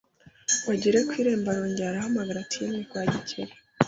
Ngo agere ku irembo arongera arahamagara ati yemwe kwa Gikeli